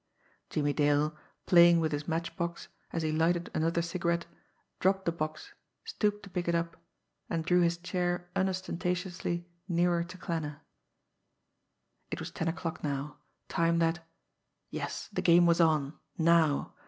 Jimmie Dale, playing with his match box, as he lighted another cigarette, dropped the box, stooped to pick it up and drew his chair unostentatiously nearer to Klanner. It was ten o'clock now, time that yes, the game was on _now!